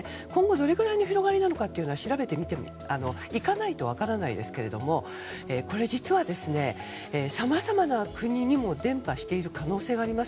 どれくらいの広がりなのかは調べていかないと分からないですけれどもこれ、実はさまざまな国にも伝播している可能性があります。